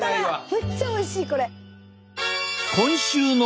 めっちゃおいしいこれ！